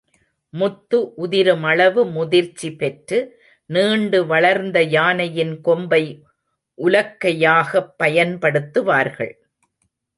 முத்து உதிருமளவு முதிர்ச்சி பெற்று, நீண்டு வளர்ந்த யானையின் கொம்பை உலக்கையாகப் பயன்படுத்துவார்கள்.